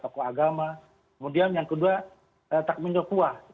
kemudian yang kedua takminul kuah